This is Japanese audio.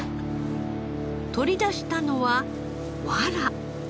取り出したのは藁。